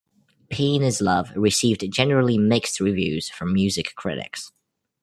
"Pain is Love" received generally mixed reviews from music critics.